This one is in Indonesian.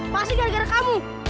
masih gara gara kamu